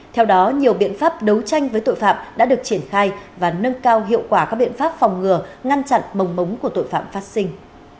theo đó nhiều biện pháp đấu tranh với tội phạm đã được triển khai và nâng cao hiệu quả các biện pháp phòng ngừa ngăn chặn mồng mống của tội phạm phát sinh